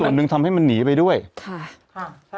เออส่วนหนึ่งทำให้นอนนีไปด้วยมากครับ